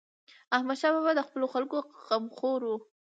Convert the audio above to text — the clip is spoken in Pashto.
احمدشاه بابا د خپلو خلکو غمخور و.